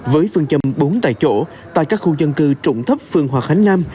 với phương châm bốn tại chỗ tại các khu dân cư trụng thấp phường hòa khánh nam